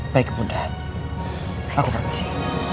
baik ibu nda aku berpikir